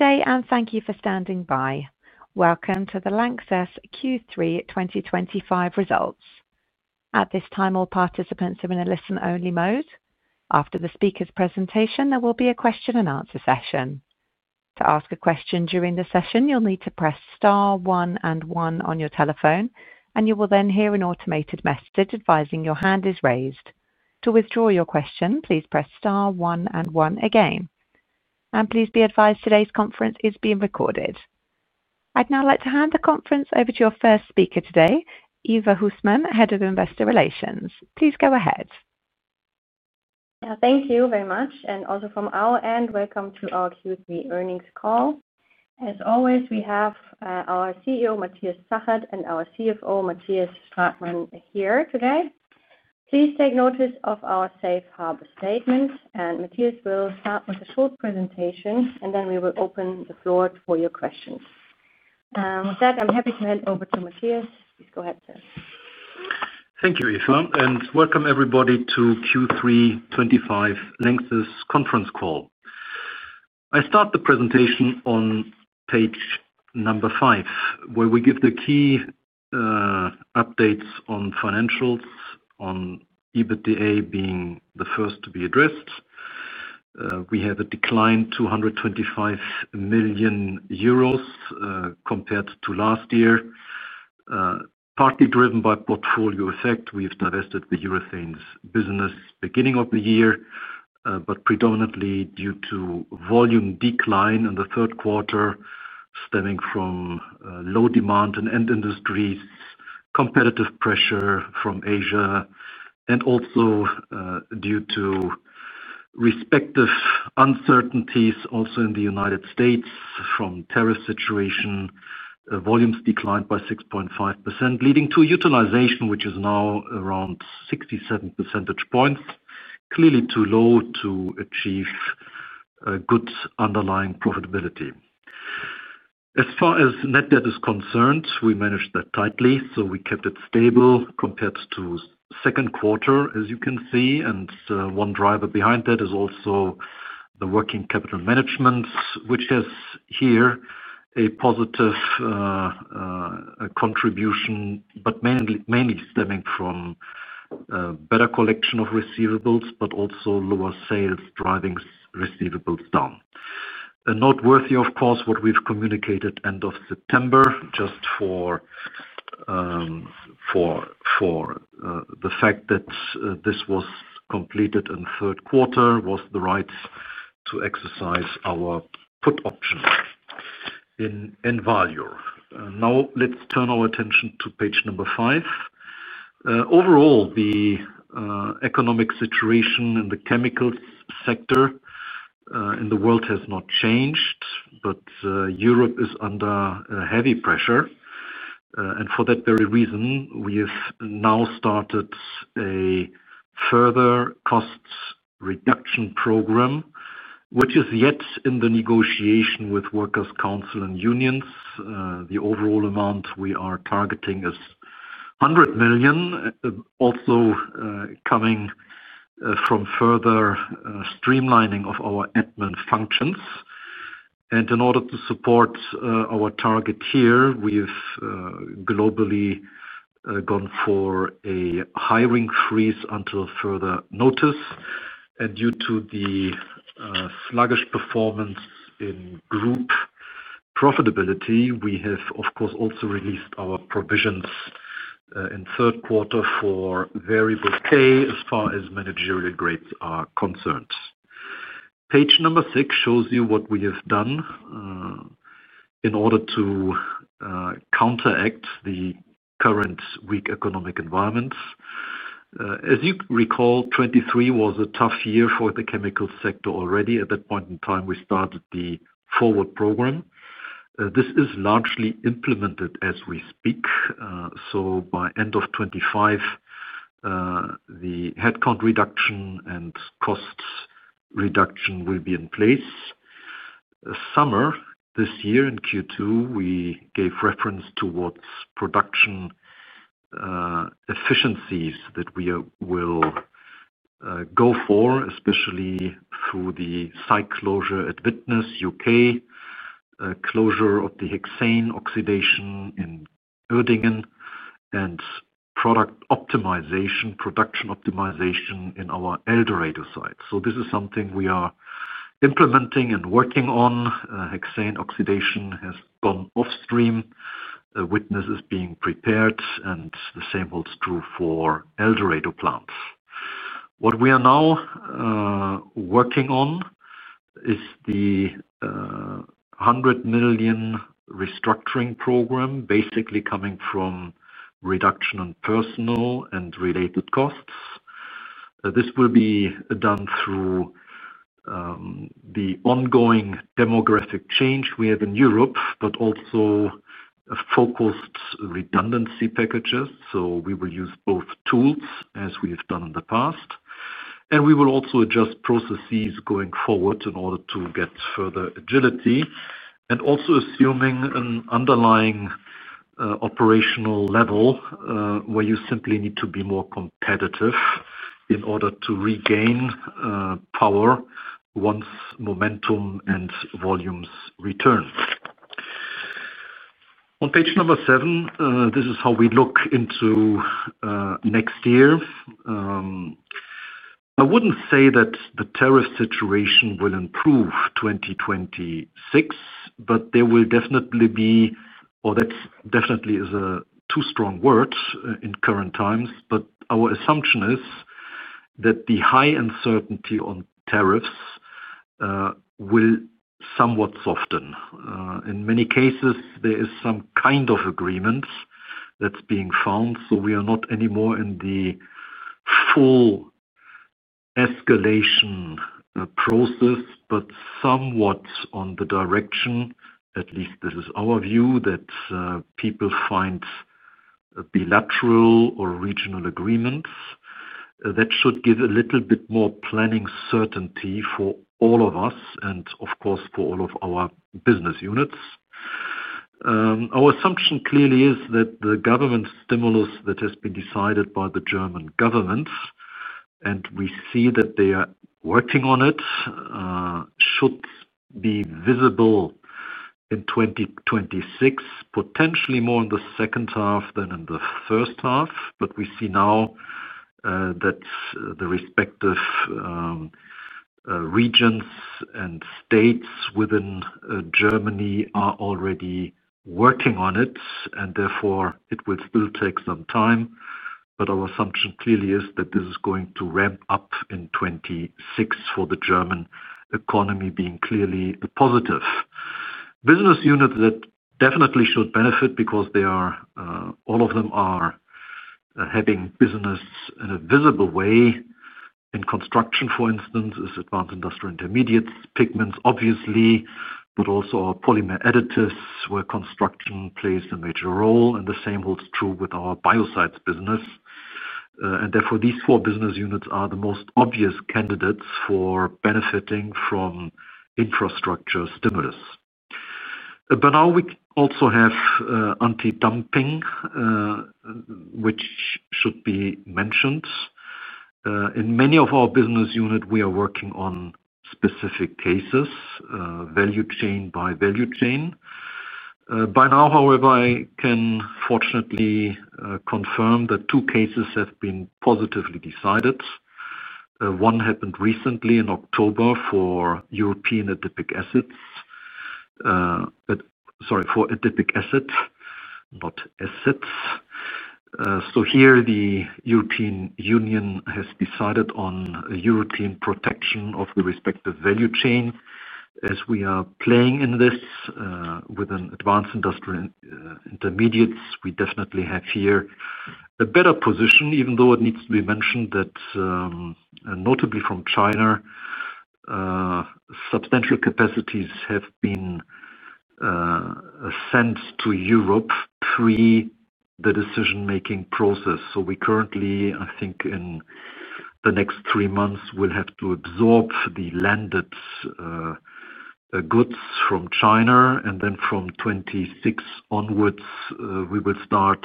Okay, and thank you for standing by. Welcome the LANXESS Q3 2025 results. At this time, all participants are in a listen-only mode. After the speaker's presentation, there will be a question-and-answer session. To ask a question during the session, you'll need to press Star 1 and 1 on your telephone, and you will then hear an automated message advising your hand is raised. To withdraw your question, please press Star 1 and 1 again. Please be advised today's conference is being recorded. I'd now like to hand the conference over to our first speaker today, Eva Husman, Head of Investor Relations. Please go ahead. Thank you very much. Also from our end, welcome to our Q3 earnings call. As always, we have our CEO, Matthias Zachert, and our CFO, Oliver Stratmann, here today. Please take notice of our safe harbor statement, and Matthias will start with a short presentation, and then we will open the floor for your questions. With that, I'm happy to hand over to Matthias. Please go ahead. Thank you, Eva. Welcome everybody to Q3 2025 LANXESS conference call. I start the presentation on page number 5, where we give the key updates on financials, on EBITDA being the first to be addressed. We have a decline of 225 million euros compared to last year, partly driven by portfolio effect. We've divested the urethane business beginning of the year, but predominantly due to volume decline in the third quarter stemming from low demand in end industries, competitive pressure from Asia, and also due to respective uncertainties, also in the United States from the tariff situation. Volumes declined by 6.5%, leading to utilization, which is now around 67 percentage points, clearly too low to achieve good underlying profitability. As far as net debt is concerned, we managed that tightly, so we kept it stable compared to the second quarter, as you can see. One driver behind that is also the working capital management, which has here a positive contribution, but mainly stemming from better collection of receivables, but also lower sales driving receivables down. Noteworthy, of course, what we have communicated at the end of September, just for the fact that this was completed in the third quarter, was the right to exercise our put option in Invalio. Now, let's turn our attention to page number 5. Overall, the economic situation in the chemicals sector in the world has not changed, but Europe is under heavy pressure. For that very reason, we have now started a further cost reduction program, which is yet in the negotiation with Workers' Council and unions. The overall amount we are targeting is 100 million, also coming from further streamlining of our admin functions. In order to support our target here, we have globally. Gone for a hiring freeze until further notice. Due to the sluggish performance in group profitability, we have, of course, also released our provisions in the third quarter for variable K as far as managerial grades are concerned. Page number 6 shows you what we have done in order to counteract the current weak economic environments. As you recall, 2023 was a tough year for the chemical sector already. At that point in time, we started the forward program. This is largely implemented as we speak. By the end of 2025, the headcount reduction and cost reduction will be in place. Summer this year in Q2, we gave reference towards production efficiencies that we will go for, especially through the site closure at Widnes, U.K., closure of the hexane oxidation in Uerdingen, and product optimization, production optimization in our Eldorado site. This is something we are implementing and working on. Hexane oxidation has gone offstream. Widnes is being prepared, and the same holds true for Eldorado plants. What we are now working on is the 100 million restructuring program, basically coming from reduction in personnel and related costs. This will be done through the ongoing demographic change we have in Europe, but also focused redundancy packages. We will use both tools as we have done in the past. We will also adjust processes going forward in order to get further agility, and also assuming an underlying operational level where you simply need to be more competitive in order to regain power once momentum and volumes return. On page number 7, this is how we look into next year. I wouldn't say that the tariff situation will improve 2026, but there will definitely be—or that definitely is a too strong word in current times—but our assumption is that the high uncertainty on tariffs will somewhat soften. In many cases, there is some kind of agreement that's being found. We are not anymore in the full escalation process, but somewhat in the direction—at least this is our view—that people find bilateral or regional agreements. That should give a little bit more planning certainty for all of us and, of course, for all of our business units. Our assumption clearly is that the government stimulus that has been decided by the German government, and we see that they are working on it, should be visible in 2026, potentially more in the second half than in the first half. We see now that the respective. Regions and states within Germany are already working on it, and therefore it will still take some time. Our assumption clearly is that this is going to ramp up in 2026 for the German economy, being clearly positive. Business units that definitely should benefit because all of them are having business in a visible way in construction, for instance, is Advanced Industrial Intermediates, pigments, obviously, but also our polymer additives, where construction plays a major role. The same holds true with our biocides business. Therefore, these four business units are the most obvious candidates for benefiting from infrastructure stimulus. Now we also have anti-dumping, which should be mentioned. In many of our business units, we are working on specific cases, value chain by value chain. By now, however, I can fortunately confirm that two cases have been positively decided. One happened recently in October for. European adipic acids. Sorry, for adipic acids, not assets. Here, the European Union has decided on European protection of the respective value chain. As we are playing in this within Advanced Industrial Intermediates, we definitely have here a better position, even though it needs to be mentioned that, notably from China, substantial capacities have been sent to Europe pre the decision-making process. We currently, I think, in the next three months, will have to absorb the landed goods from China. From 2026 onwards, we will start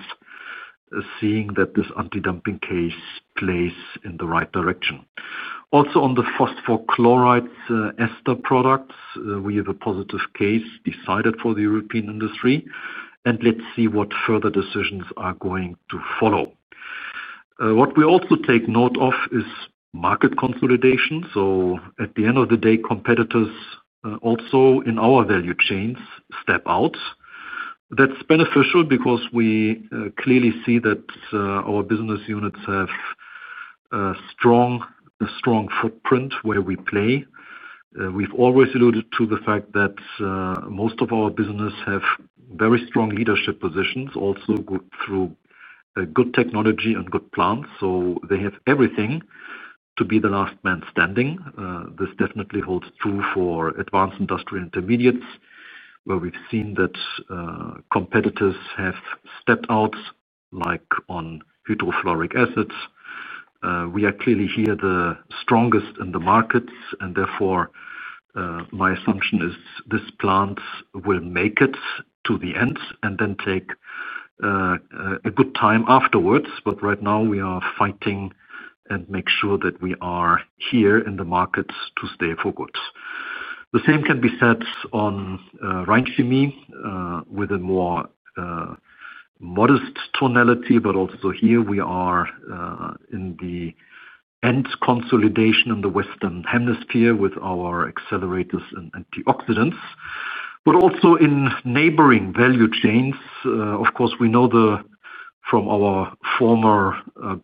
seeing that this anti-dumping case plays in the right direction. Also, on the phosphor chloride ester products, we have a positive case decided for the European industry. Let's see what further decisions are going to follow. What we also take note of is market consolidation. At the end of the day, competitors also in our value chains step out. That is beneficial because we clearly see that our business units have a strong footprint where we play. We have always alluded to the fact that most of our businesses have very strong leadership positions, also through good technology and good plants. They have everything to be the last man standing. This definitely holds true for Advanced Industrial Intermediates, where we have seen that competitors have stepped out, like on hydrofluoric acids. We are clearly here the strongest in the markets. Therefore, my assumption is these plants will make it to the end and then take a good time afterwards. Right now, we are fighting and making sure that we are here in the markets to stay for good. The same can be said on Rhein Chemie with a more modest tonality. But also here, we are in the end consolidation in the Western hemisphere with our accelerators and antioxidants, but also in neighboring value chains. Of course, we know from our former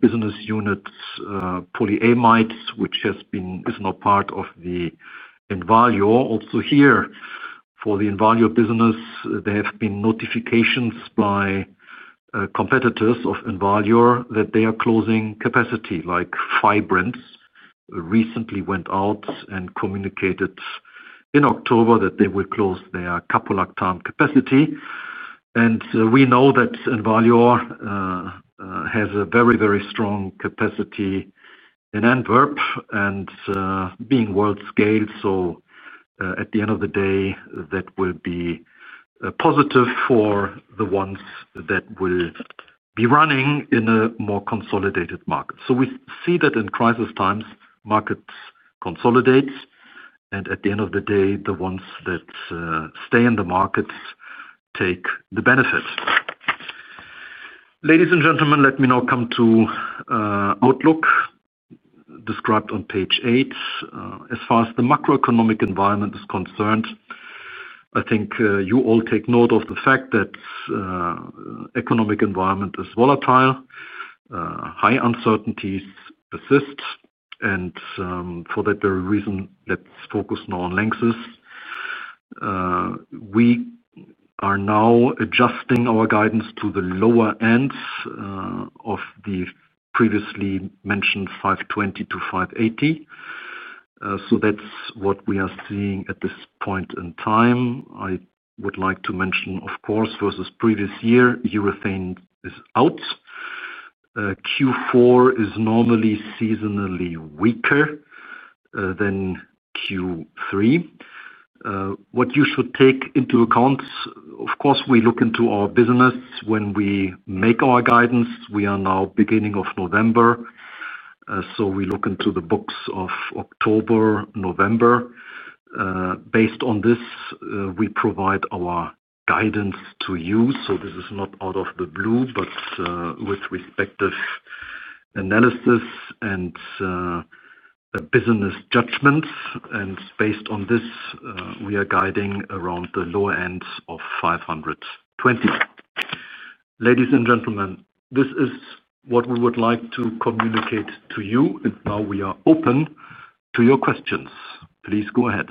business units, polyamide, which is now part of Invalio. Also here, for the Invalio business, there have been notifications by competitors of Invalio that they are closing capacity, like Fibrant recently went out and communicated in October that they will close their caprolactam capacity. And we know that Invalio has a very, very strong capacity in Antwerp and being world scale. At the end of the day, that will be positive for the ones that will be running in a more consolidated market. We see that in crisis times, markets consolidate. At the end of the day, the ones that stay in the market take the benefit. Ladies and gentlemen, let me now come to. Outlook. Described on page 8. As far as the macroeconomic environment is concerned, I think you all take note of the fact that the economic environment is volatile. High uncertainties persist. For that very reason, let's focus now on LANXESS. We are now adjusting our guidance to the lower end of the previously mentioned 520 million-580 million. That is what we are seeing at this point in time. I would like to mention, of course, versus previous year, urethane is out. Q4 is normally seasonally weaker than Q3. What you should take into account, of course, we look into our business when we make our guidance. We are now beginning of November, so we look into the books of October and November. Based on this, we provide our guidance to you. This is not out of the blue, but with respective analysis and business judgments. Based on this, we are guiding around the lower end of 520. Ladies and gentlemen, this is what we would like to communicate to you. We are now open to your questions. Please go ahead.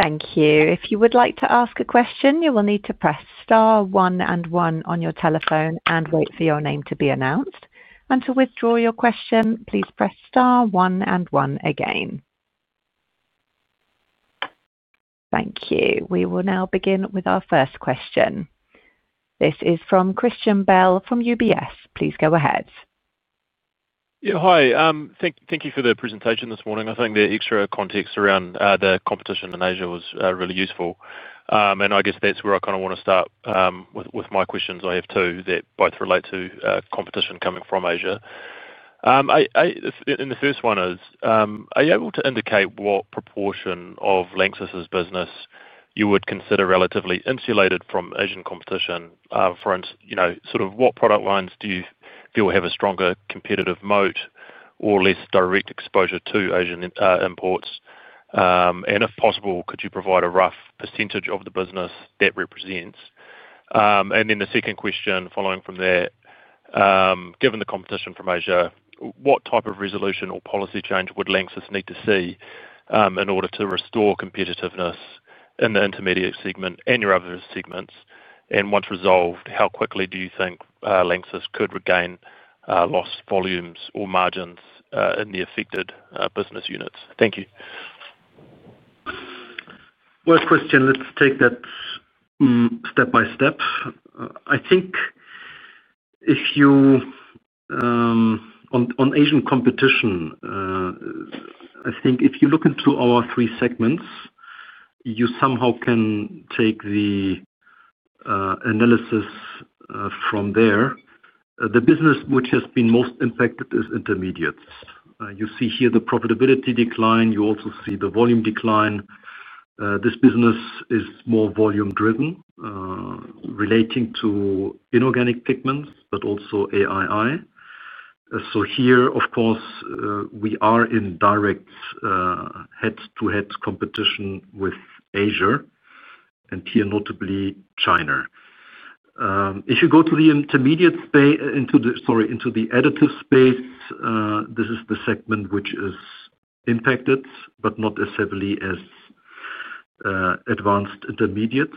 Thank you. If you would like to ask a question, you will need to press star one and one on your telephone and wait for your name to be announced. To withdraw your question, please press star one and one again. Thank you. We will now begin with our first question. This is from Christian Bell from UBS. Please go ahead. Yeah. Hi. Thank you for the presentation this morning. I think the extra context around the competition in Asia was really useful. I guess that's where I kind of want to start with my questions. I have two that both relate to competition coming from Asia. The first one is, are you able to indicate what proportion of LANXESS's business you would consider relatively insulated from Asian competition? For instance, sort of what product lines do you feel have a stronger competitive moat or less direct exposure to Asian imports? If possible, could you provide a rough percentage of the business that represents? The second question following from there, given the competition from Asia, what type of resolution or policy change would LANXESS need to see in order to restore competitiveness in the intermediate segment and your other segments? Once resolved, how quickly do you think LANXESS could regain lost volumes or margins in the affected business units? Thank you. Christian, let's take that step by step. I think on Asian competition, if you look into our three segments, you somehow can take the analysis from there. The business which has been most impacted is intermediates. You see here the profitability decline. You also see the volume decline. This business is more volume-driven. Relating to inorganic pigments, but also AII. Here, of course, we are in direct head-to-head competition with Asia, and here, notably, China. If you go to the intermediate space—sorry, into the additive space—this is the segment which is impacted, but not as heavily as advanced intermediates.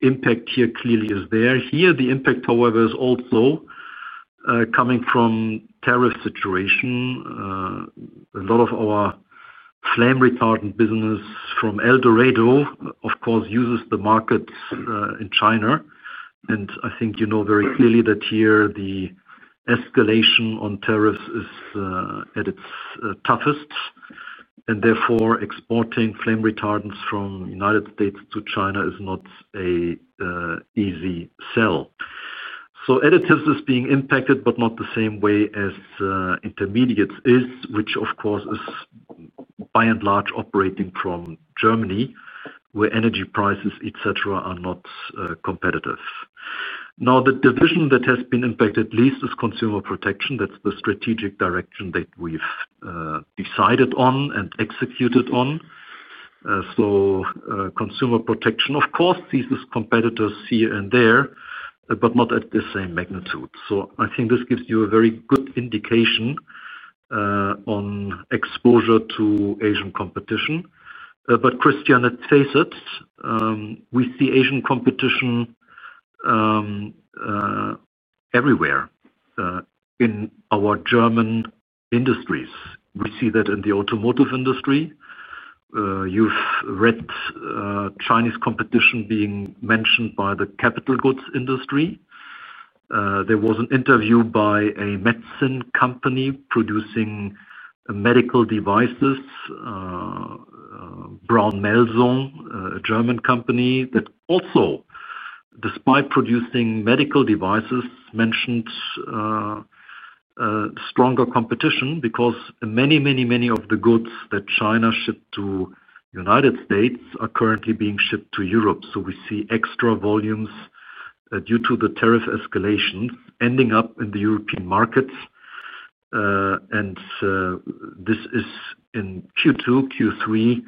Impact here clearly is there. Here, the impact, however, is also coming from the tariff situation. A lot of our flame retardant business from Eldorado, of course, uses the markets in China. I think you know very clearly that here the escalation on tariffs is at its toughest, and therefore, exporting flame retardants from the United States to China is not an easy sell. Additives are being impacted, but not the same way as. Intermediates is, which, of course, is by and large operating from Germany, where energy prices, etc., are not competitive. Now, the division that has been impacted least is Consumer Protection. That is the strategic direction that we have decided on and executed on. Consumer Protection, of course, sees its competitors here and there, but not at the same magnitude. I think this gives you a very good indication on exposure to Asian competition. Christian, let's face it. We see Asian competition everywhere in our German industries. We see that in the automotive industry. You have read Chinese competition being mentioned by the capital goods industry. There was an interview by a medicine company producing medical devices, B. Braun Melsungen, a German company, that also, despite producing medical devices, mentioned stronger competition because many, many, many of the goods that China shipped to the United States are currently being shipped to Europe. We see extra volumes due to the tariff escalations ending up in the European markets. This is in Q2, Q3.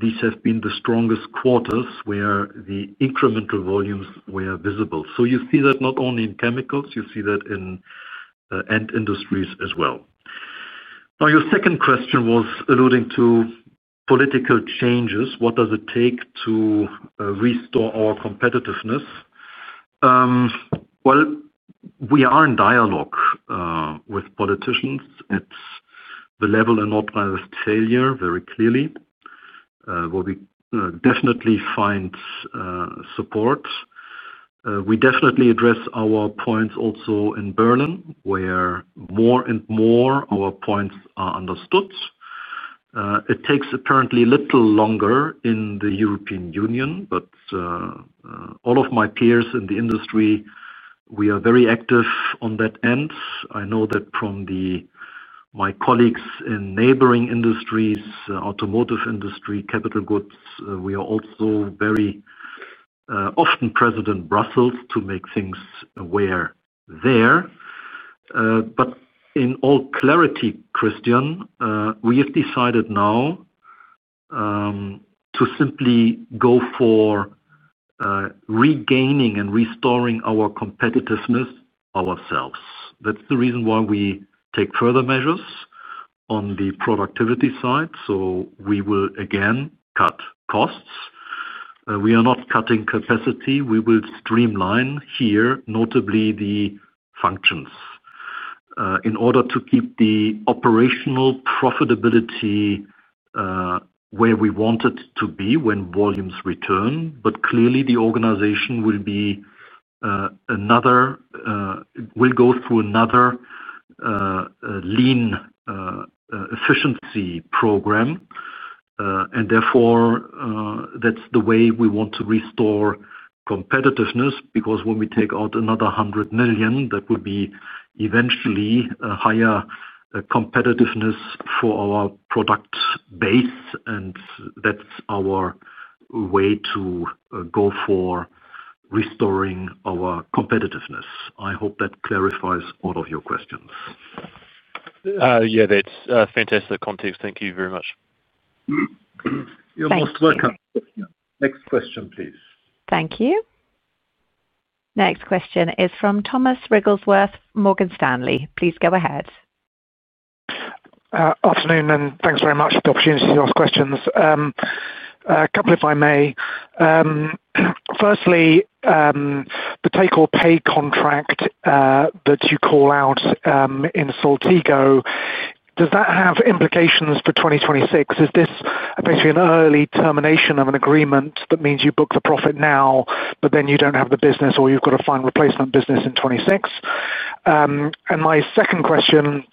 These have been the strongest quarters where the incremental volumes were visible. You see that not only in chemicals; you see that in end industries as well. Your second question was alluding to political changes. What does it take to restore our competitiveness? We are in dialogue with politicians. It is the level and not by failure, very clearly. We definitely find support. We definitely address our points also in Berlin, where more and more of our points are understood. It takes apparently a little longer in the European Union. All of my peers in the industry, we are very active on that end. I know that from my colleagues in neighboring industries, automotive industry, capital goods. We are also very. Often present in Brussels to make things aware there. In all clarity, Christian, we have decided now to simply go for regaining and restoring our competitiveness ourselves. That is the reason why we take further measures on the productivity side. We will again cut costs. We are not cutting capacity. We will streamline here, notably the functions, in order to keep the operational profitability where we want it to be when volumes return. Clearly, the organization will go through another lean efficiency program. Therefore, that is the way we want to restore competitiveness. Because when we take out another 100 million, that would be eventually a higher competitiveness for our product base. That is our way to go for restoring our competitiveness. I hope that clarifies all of your questions. Yeah, that is fantastic context. Thank you very much. You are most welcome. Next question, please. Thank you. Next question is from Thomas Wrigglesworth, Morgan Stanley. Please go ahead. Afternoon, and thanks very much for the opportunity to ask questions. A couple, if I may. Firstly, the take-or-pay contract that you call out in Saltigo, does that have implications for 2026? Is this basically an early termination of an agreement that means you book the profit now, but then you do not have the business, or you have to find replacement business in 2026? And my second question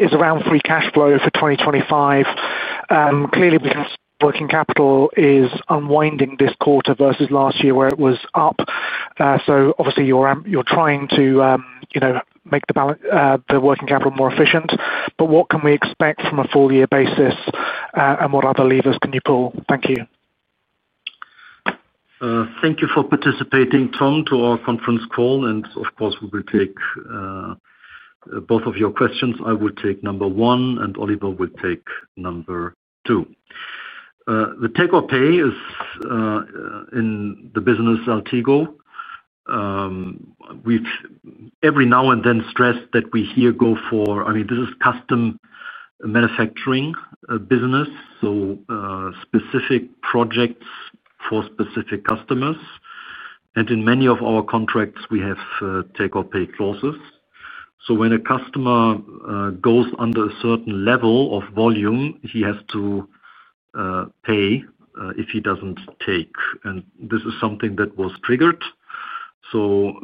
is around free cash flow for 2025. Clearly, because working capital is unwinding this quarter versus last year where it was up. Obviously, you are trying to make the working capital more efficient. What can we expect from a full-year basis, and what other levers can you pull? Thank you. Thank you for participating, Tom, to our conference call. Of course, we will take. Both of your questions. I will take number one, and Oliver will take number two. The take-or-pay is in the business Saltigo. We have every now and then stressed that we here go for—I mean, this is custom manufacturing business, so specific projects for specific customers. And in many of our contracts, we have take-or-pay clauses. When a customer goes under a certain level of volume, he has to pay if he does not take. This is something that was triggered. Of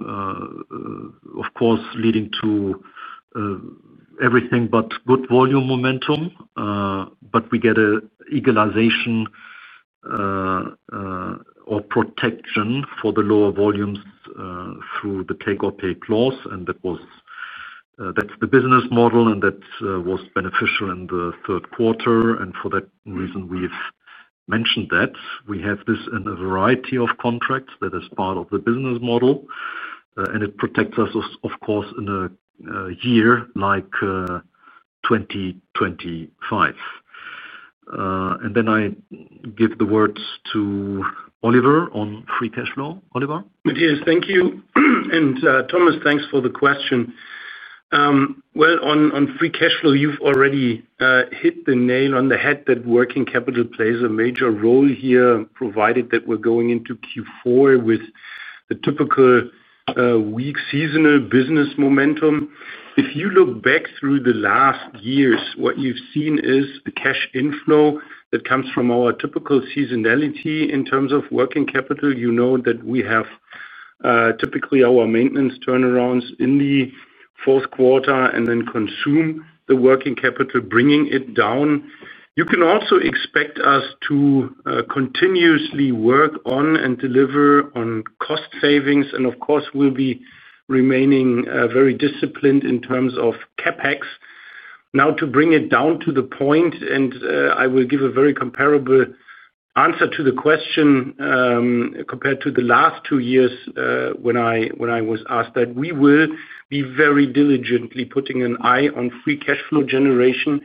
course, leading to everything but good volume momentum. We get an equalization or protection for the lower volumes through the take-or-pay clause. That is the business model, and that was beneficial in the third quarter. For that reason, we have mentioned that we have this in a variety of contracts that is part of the business model. It protects us, of course, in a year like 2025. I give the word to Oliver on free cash flow. Oliver? Yes, thank you. Thomas, thanks for the question. On free cash flow, you've already hit the nail on the head that working capital plays a major role here, provided that we're going into Q4 with the typical weak seasonal business momentum. If you look back through the last years, what you've seen is the cash inflow that comes from our typical seasonality in terms of working capital. You know that we have typically our maintenance turnarounds in the fourth quarter and then consume the working capital, bringing it down. You can also expect us to continuously work on and deliver on cost savings. Of course, we'll be remaining very disciplined in terms of CapEx. Now, to bring it down to the point, and I will give a very comparable answer to the question. Compared to the last two years when I was asked that, we will be very diligently putting an eye on free cash flow generation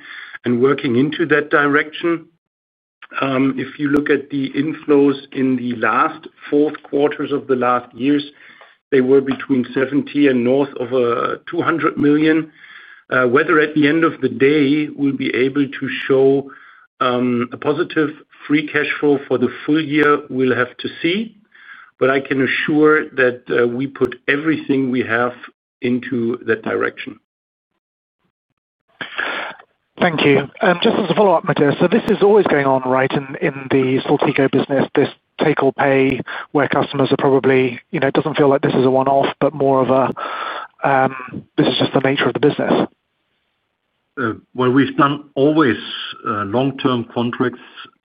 and working into that direction. If you look at the inflows in the last four quarters of the last years, they were between 70 million and north of 200 million. Whether at the end of the day we'll be able to show a positive free cash flow for the full year, we'll have to see. I can assure that we put everything we have into that direction. Thank you. Just as a follow-up, Matthias, this is always going on, right, in the Saltigo business, this take-or-pay where customers are probably—it doesn't feel like this is a one-off, but more of a. This is just the nature of the business. We have done always long-term contracts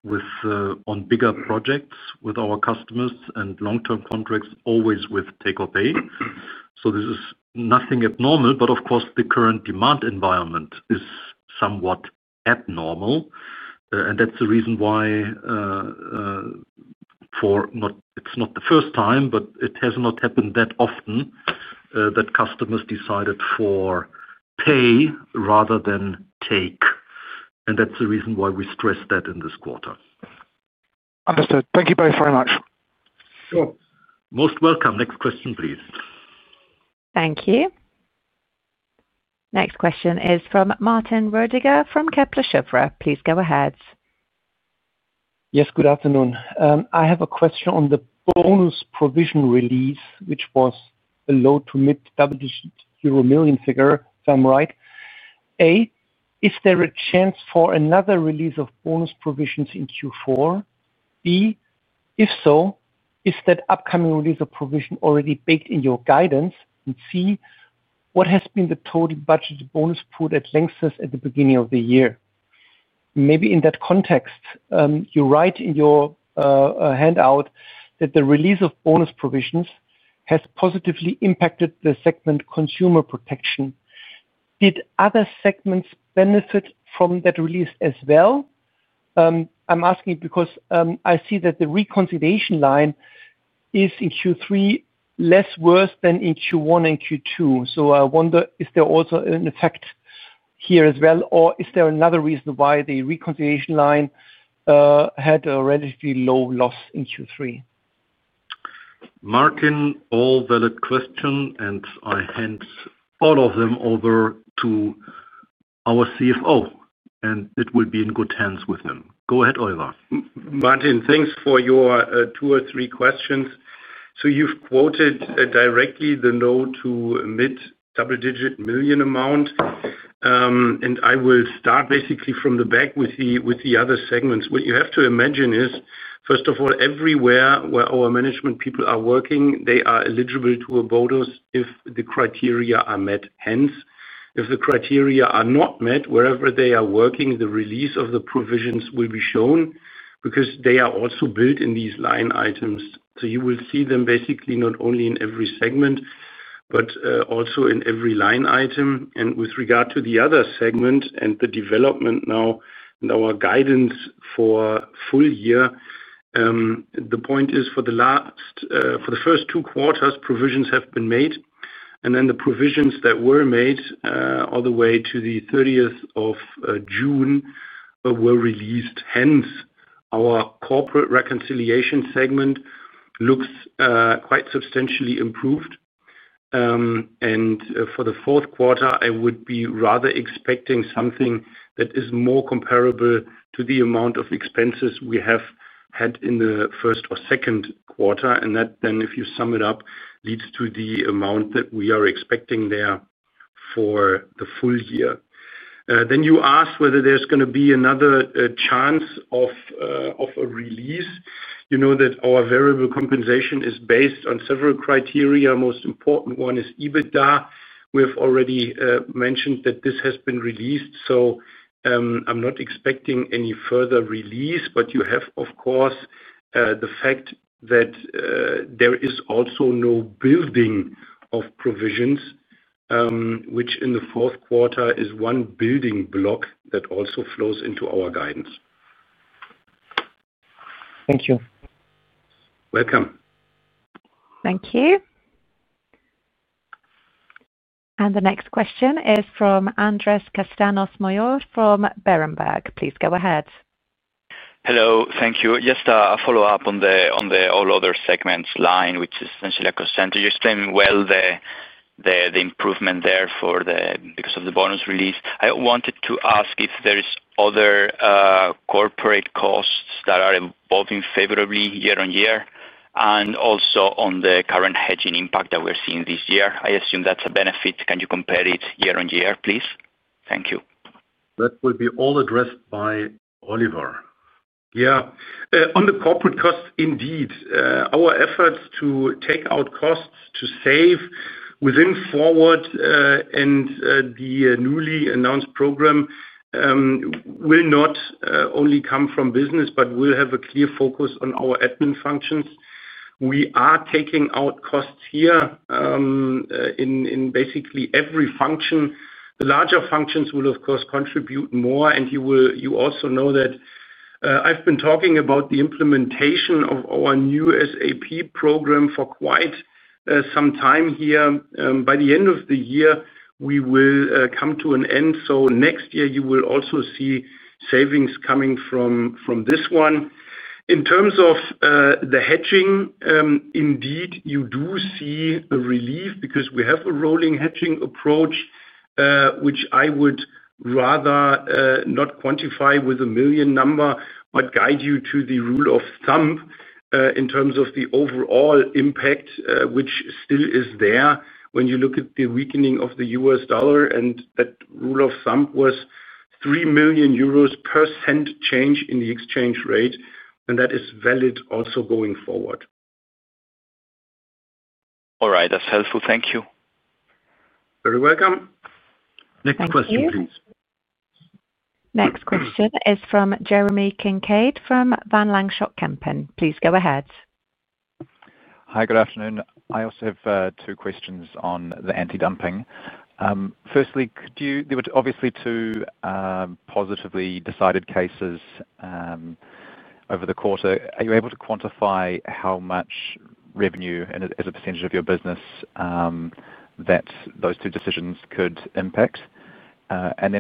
on bigger projects with our customers and long-term contracts always with take-or-pay. This is nothing abnormal. Of course, the current demand environment is somewhat abnormal. That is the reason why. It is not the first time, but it has not happened that often that customers decided for pay rather than take. That is the reason why we stress that in this quarter. Understood. Thank you both very much. Sure. Most welcome. Next question, please. Thank you. Next question is from Martin Rüdiger from Kepler Cheuvreux. Please go ahead. Yes, good afternoon. I have a question on the bonus provision release, which was a low to mid-digit euro million figure, if I am right. A, is there a chance for another release of bonus provisions in Q4? B, if so, is that upcoming release of provision already baked in your guidance? C, what has been the total budget bonus put at length since at the beginning of the year? Maybe in that context, you write in your handout that the release of bonus provisions has positively impacted the segment Consumer Protection. Did other segments benefit from that release as well? I'm asking because I see that the reconciliation line is in Q3 less worse than in Q1 and Q2. I wonder, is there also an effect here as well, or is there another reason why the reconciliation line had a relatively low loss in Q3? Martin, all valid questions, and I hand all of them over to our CFO, and it will be in good hands with him. Go ahead, Oliver. Martin, thanks for your two or three questions. You've quoted directly the no to mid-double-digit million amount. I will start basically from the back with the other segments. What you have to imagine is, first of all, everywhere where our management people are working, they are eligible to a bonus if the criteria are met. Hence, if the criteria are not met, wherever they are working, the release of the provisions will be shown because they are also built in these line items. You will see them basically not only in every segment but also in every line item. With regard to the other segment and the development now and our guidance for full year, the point is for the first two quarters, provisions have been made. The provisions that were made all the way to the 30th of June were released. Hence, our corporate reconciliation segment looks quite substantially improved. For the fourth quarter, I would be rather expecting something that is more comparable to the amount of expenses we have had in the first or second quarter. If you sum it up, that leads to the amount that we are expecting there for the full year. You asked whether there's going to be another chance of a release. You know that our variable compensation is based on several criteria. The most important one is EBITDA. We have already mentioned that this has been released. I'm not expecting any further release. You have, of course, the fact that there is also no building of provisions, which in the fourth quarter is one building block that also flows into our guidance. Thank you. Welcome. Thank you. The next question is from Andres Castanos Mayor from Berenberg. Please go ahead. Hello. Thank you. Just a follow-up on the all other segments line, which is essentially a consent. You explained well the improvement there because of the bonus release. I wanted to ask if there are other corporate costs that are evolving favorably year-on-year and also on the current hedging impact that we're seeing this year. I assume that's a benefit. Can you compare it year-on-year, please? Thank you. That will be all addressed by Oliver. Yeah. On the corporate costs, indeed, our efforts to take out costs to save within FORWARD! and the newly announced program will not only come from business but will have a clear focus on our admin functions. We are taking out costs here in basically every function. The larger functions will, of course, contribute more. And you also know that. I've been talking about the implementation of our new SAP program for quite some time here. By the end of the year, we will come to an end. Next year, you will also see savings coming from this one. In terms of the hedging, indeed, you do see a relief because we have a rolling hedging approach. I would rather not quantify with a million number but guide you to the rule of thumb in terms of the overall impact, which still is there when you look at the weakening of the US dollar. That rule of thumb was €3 million per % change in the exchange rate. That is valid also going forward. All right. That's helpful. Thank you. You're welcome. Next question, please. Thank you. Next question is from Jeremy Kincaid from Van Lanschot Kempen. Please go ahead. Hi. Good afternoon. I also have two questions on the anti-dumping. Firstly, there were obviously two positively decided cases over the quarter. Are you able to quantify how much revenue and as a percentage of your business those two decisions could impact?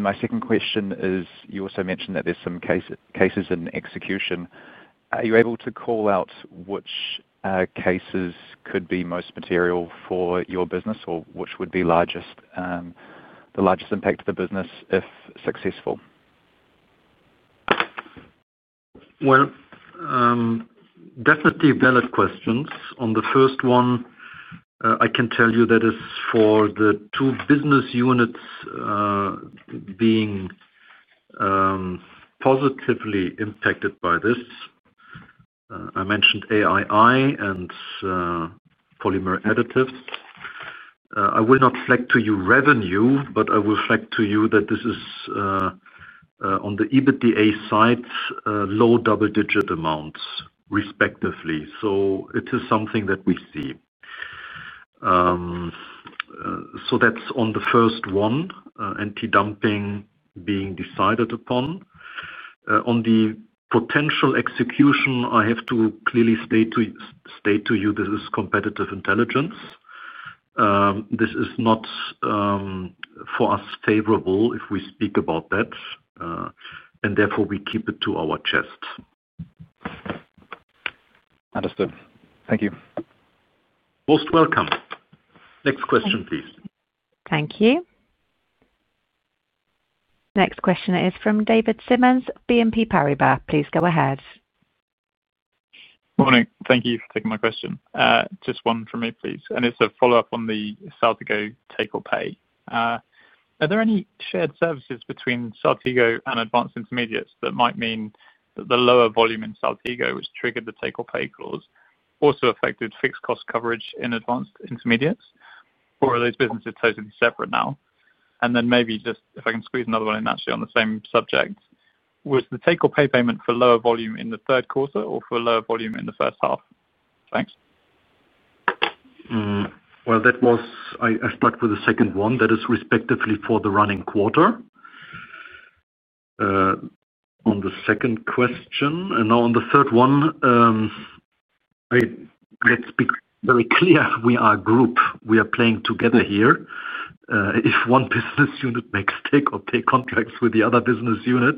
My second question is you also mentioned that there are some cases in execution. Are you able to call out which cases could be most material for your business or which would be the largest impact to the business if successful? Definitely valid questions. On the first one, I can tell you that it is for the two business units being positively impacted by this. I mentioned AII and polymer additives. I will not flag to you revenue, but I will flag to you that this is on the EBITDA side, low double-digit amounts respectively. It is something that we see. That's on the first one, anti-dumping being decided upon. On the potential execution, I have to clearly state to you this is competitive intelligence. This is not for us favorable if we speak about that. Therefore, we keep it to our chest. Understood. Thank you. Most welcome. Next question, please. Thank you. Next question is from David Simmons, BNP Paribas. Please go ahead. Good morning. Thank you for taking my question. Just one from me, please. It's a follow-up on the Saltigo take-or-pay. Are there any shared services between Saltigo and Advanced Intermediates that might mean that the lower volume in Saltigo, which triggered the take-or-pay clause, also affected fixed cost coverage in Advanced Intermediates? Or are those businesses totally separate now? If I can squeeze another one in actually on the same subject, was the take-or-pay payment for lower volume in the third quarter or for lower volume in the first half? Thanks. I'll start with the second one. That is respectively for the running quarter. On the second question. Now on the third one. Let's be very clear. We are a group. We are playing together here. If one business unit makes take-or-pay contracts with the other business unit.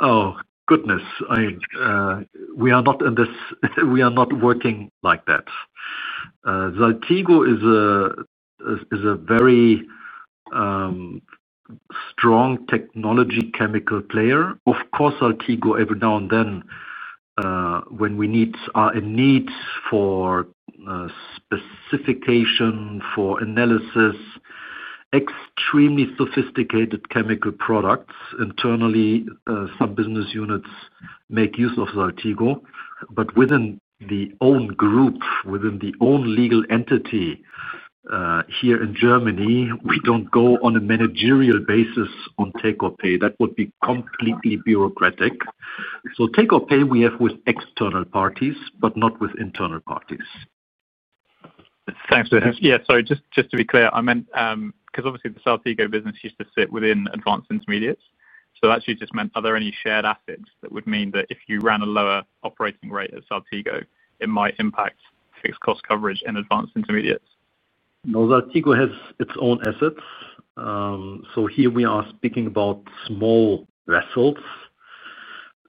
Oh, goodness. We are not in this, we are not working like that. Saltigo is a very strong technology chemical player. Of course, Saltigo every now and then, when we meet our needs for specification, for analysis, extremely sophisticated chemical products, internally, some business units make use of Saltigo. But within the own group, within the own legal entity. Here in Germany, we do not go on a managerial basis on take-or-pay. That would be completely bureaucratic. Take-or-pay we have with external parties but not with internal parties. Thanks. Yeah. Sorry. Just to be clear, I meant because obviously the Saltigo business used to sit within Advanced Intermediates. That actually just meant are there any shared assets that would mean that if you ran a lower operating rate at Saltigo, it might impact fixed cost coverage in Advanced Intermediates? No, Saltigo has its own assets. Here we are speaking about small vessels.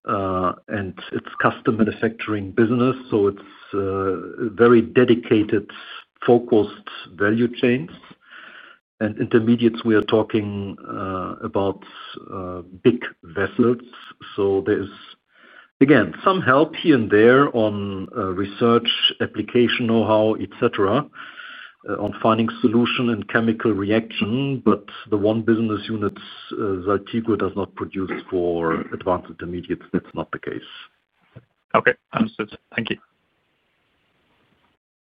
It is a custom manufacturing business, so it is very dedicated, focused value chains. In Intermediates, we are talking about big vessels. There is, again, some help here and there on research, application know-how, etc., on finding solution and chemical reaction. But the one business unit Saltigo does not produce for Advanced Intermediates, that's not the case. Okay. Understood. Thank you.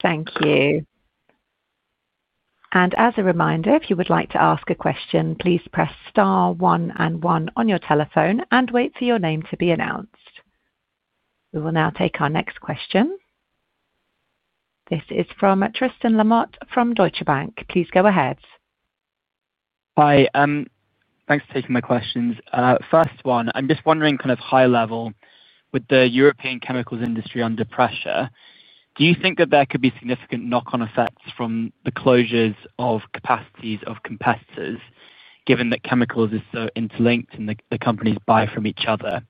Thank you. As a reminder, if you would like to ask a question, please press star one and one on your telephone and wait for your name to be announced. We will now take our next question. This is from Tristan Lamott from Deutsche Bank. Please go ahead. Hi. Thanks for taking my questions. First one, I'm just wondering kind of high level, with the European chemicals industry under pressure, do you think that there could be significant knock-on effects from the closures of capacities of competitors given that chemicals is so interlinked and the companies buy from each other?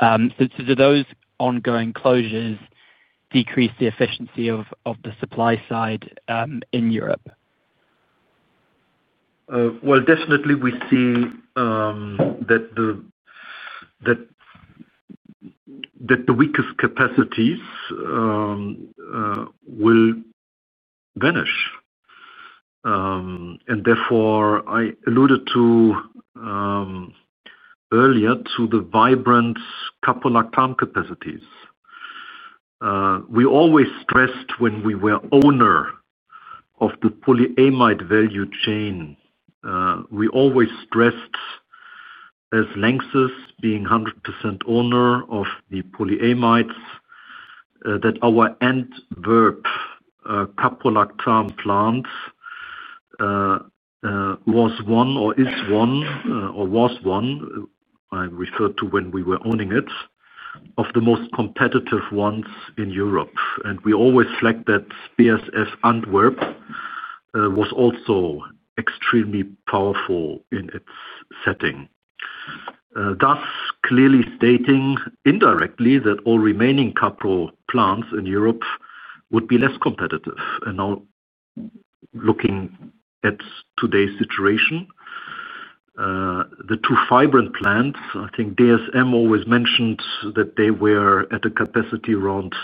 Do those ongoing closures decrease the efficiency of the supply side in Europe? Definitely, we see that the weakest capacities will vanish. Therefore, I alluded to earlier to the Fibrant caprolactam capacities. We always stressed when we were owner of the polyamide value chain. We always stressed, as LANXESS, being 100% owner of the polyamides, that our Antwerp caprolactam plant was one or is one or was one, I refer to when we were owning it, of the most competitive ones in Europe. We always flagged that BASF Antwerp was also extremely powerful in its setting, thus clearly stating indirectly that all remaining capro plants in Europe would be less competitive. Now, looking at today's situation, the two Fibrant plants, I think DSM always mentioned that they were at a capacity around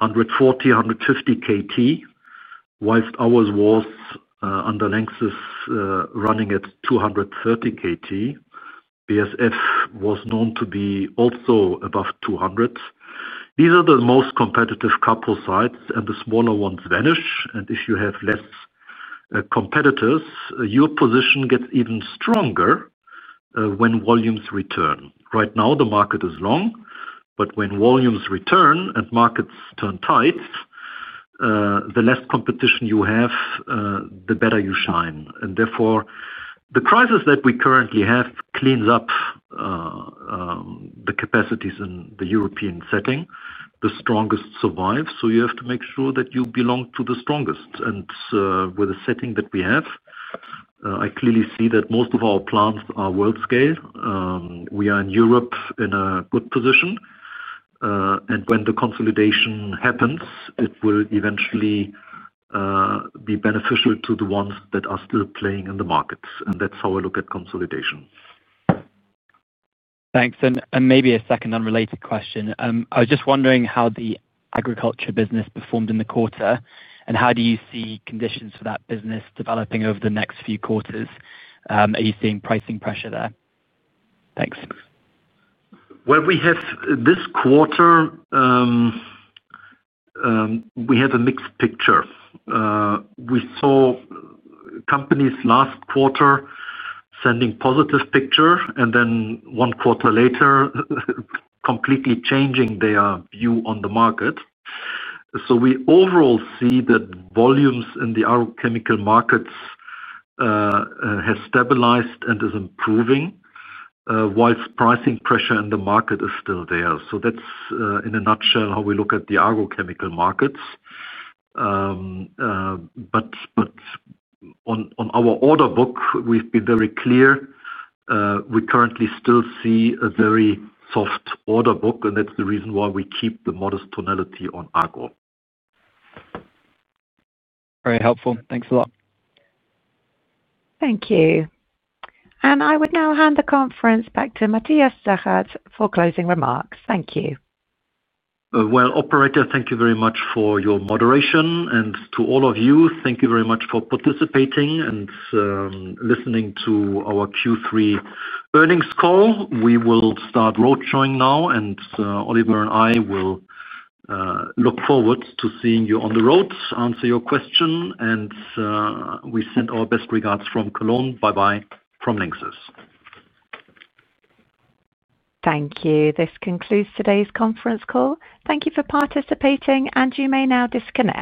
140-150 KT, whilst ours was under LANXESS running at 230 KT. BASF was known to be also above 200. These are the most competitive capro sites, and the smaller ones vanish. If you have less. Competitors, your position gets even stronger when volumes return. Right now, the market is long. When volumes return and markets turn tight, the less competition you have, the better you shine. Therefore, the crisis that we currently have cleans up the capacities in the European setting. The strongest survive. You have to make sure that you belong to the strongest. With the setting that we have, I clearly see that most of our plants are world scale. We are in Europe in a good position. When the consolidation happens, it will eventually be beneficial to the ones that are still playing in the markets. That is how I look at consolidation. Thanks. Maybe a second unrelated question. I was just wondering how the agriculture business performed in the quarter, and how do you see conditions for that business developing over the next few quarters? Are you seeing pricing pressure there? Thanks. This quarter, we have a mixed picture. We saw companies last quarter sending a positive picture and then one quarter later completely changing their view on the market. We overall see that volumes in the agrochemical markets have stabilized and are improving, whilst pricing pressure in the market is still there. That is in a nutshell how we look at the agrochemical markets. On our order book, we have been very clear. We currently still see a very soft order book, and that is the reason why we keep the modest tonality on agro. Very helpful. Thanks a lot. Thank you. I would now hand the conference back to Matthias Zachert for closing remarks. Thank you. Operator, thank you very much for your moderation. To all of you, thank you very much for participating and listening to our Q3 earnings call. We will start roadshowing now. Oliver and I will look forward to seeing you on the road, answer your question. We send our best regards from Cologne. Bye-bye from LANXESS. Thank you. This concludes today's conference call. Thank you for participating. You may now disconnect.